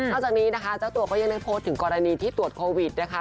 จากนี้นะคะเจ้าตัวก็ยังได้โพสต์ถึงกรณีที่ตรวจโควิดนะคะ